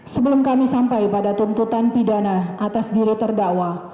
sebelum kami sampai pada tuntutan pidana atas diri terdakwa